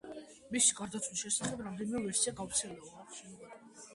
მისი გარდაცვალების შესახებ რამდენიმე ვერსია გავრცელდა.